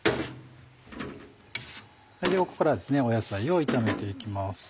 ここからは野菜を炒めて行きます。